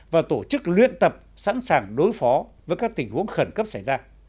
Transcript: và tổ chức luyện tập sẵn sàng đối phó với các tình huống khẩn cấp xảy ra